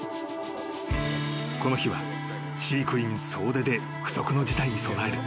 ［この日は飼育員総出で不測の事態に備える］